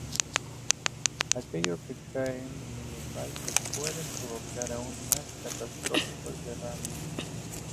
Aquellos que caen en el embalse pueden provocar aún más catastróficos derrames.